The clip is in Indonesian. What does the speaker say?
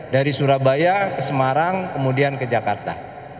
dari surabaya ke semarang kemudian ke jakarta